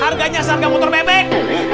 harganya seharga motor bebek